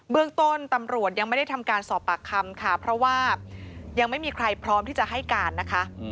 เรื่องต้นตำรวจยังไม่ได้ทำการสอบปากคำค่ะเพราะว่ายังไม่มีใครพร้อมที่จะให้การนะคะ